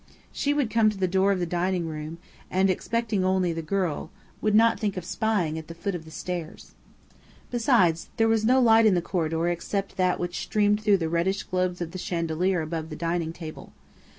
She would come to the door of the dining room, and, expecting only the girl, would not think of spying at the foot of the stairs. Besides, there was no light in the corridor except that which streamed through the reddish globes of the chandelier above the dining table.